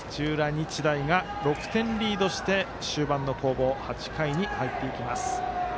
日大が６点リードして終盤の攻防８回に入っていきます。